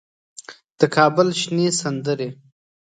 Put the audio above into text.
د کابل شنې سندرې